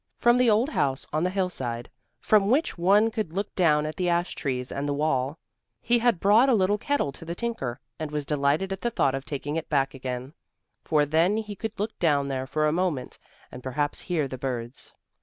From the old house on the hillside, from which one could look down at the ash trees and the wall, he had brought a little kettle to the tinker, and was delighted at the thought of taking it back again, for then he could look down there for a moment and perhaps hear the birds.